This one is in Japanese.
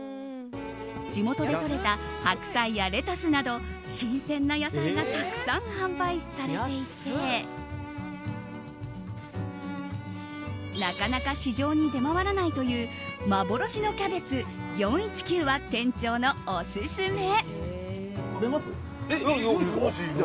地元で採れた白菜やレタスなど新鮮な野菜がたくさん販売されていてなかなか市場に出回らないという幻のキャベツ４１９は店長のオススメ。